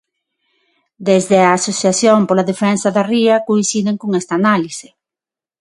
Desde a Asociación pola Defensa da Ría coinciden con esta análise.